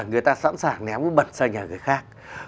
người ta sẵn sàng ném cái bật ra nhà người khác